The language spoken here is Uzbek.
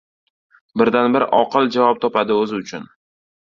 birdan-bir oqil javob topadi o‘zi uchun: